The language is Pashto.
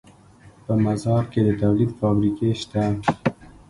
په مزار کې د تولید فابریکې شته